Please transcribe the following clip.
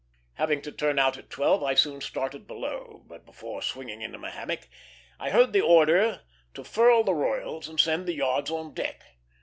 Having to turn out at twelve, I soon started below; but before swinging into my hammock I heard the order to furl the royals and send the yards on deck.